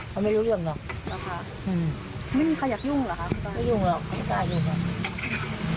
ทำไมชาวบ้านมันก็ไม่กล้ายุ่งหรอ